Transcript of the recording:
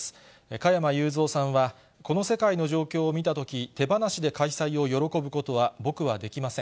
加山雄三さんは、この世界の状況を見たとき、手放しで開催を喜ぶことは、僕はできません。